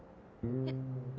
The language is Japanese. えっ？